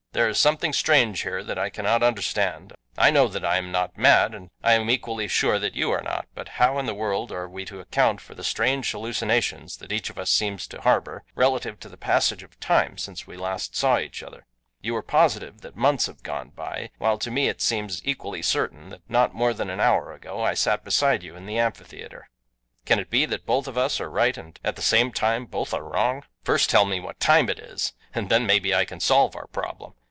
There is something strange here that I cannot understand. I know that I am not mad, and I am equally sure that you are not; but how in the world are we to account for the strange hallucinations that each of us seems to harbor relative to the passage of time since last we saw each other. You are positive that months have gone by, while to me it seems equally certain that not more than an hour ago I sat beside you in the amphitheater. Can it be that both of us are right and at the same time both are wrong? First tell me what time is, and then maybe I can solve our problem.